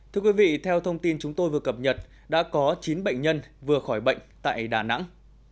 thưa quý vị theo thông tin chúng tôi vừa cập nhật đã có chín bệnh nhân vừa khỏi bệnh tại đà nẵng